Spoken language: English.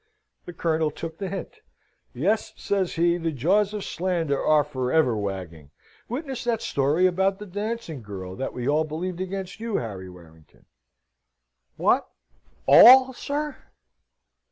The Colonel took the hint. "Yes," says he, "the jaws of slander are for ever wagging. Witness that story about the dancing girl, that we all believed against you, Harry Warrington." "What, all, sir?"